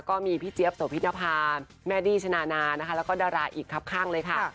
ก็มีพี่เจี๊ยบโสพิษนภาแม่ดี้ชนานานะคะแล้วก็ดาราอีกครับข้างเลยค่ะ